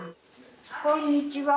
こんにちは。